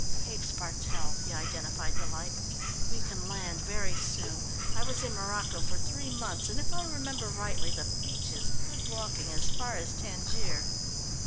"Cape Spartel," he identified the light. "We can land very soon. I was in Morocco for three months, and if I remember rightly the beach is good walking as far as Tangier."